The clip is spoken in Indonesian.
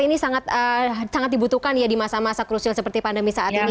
ini sangat dibutuhkan ya di masa masa krusial seperti pandemi saat ini